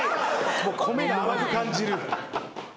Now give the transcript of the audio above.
米が甘く感じる。